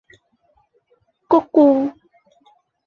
唂咕